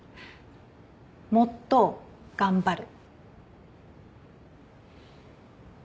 もっと頑張る。